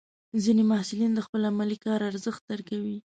ځینې محصلین د خپل علمي کار ارزښت درکوي.